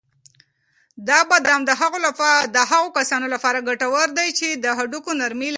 دا بادام د هغو کسانو لپاره ګټور دي چې د هډوکو نرمي لري.